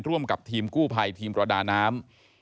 ร่วมกับทีมกู้ภัยทีมประดาน้ำ